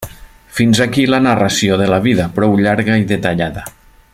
Fins aquí la narració de la vida, prou llarga i detallada.